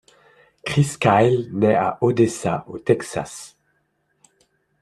Chris Kyle naît à Odessa au Texas.